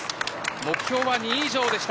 目標は２位以上でした。